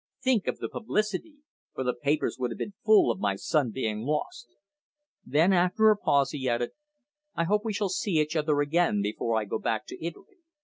Think of the publicity for the papers would have been full of my son being lost." Then, after a pause, he added: "I hope we shall see each other again before I go back to Italy."